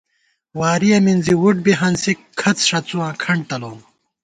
وارِیَہ مِنزی وُٹ بی ہنسِک کھڅ ݭَڅُواں کھنٹ تلَوُم